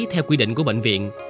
theo quy định của bệnh viện